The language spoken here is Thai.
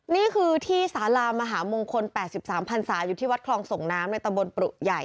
นี่คือที่สารามหามงคล๘๓พันศาอยู่ที่วัดคลองส่งน้ำในตำบลปรุใหญ่